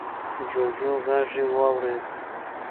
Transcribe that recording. جوجو غږ يې واورېد.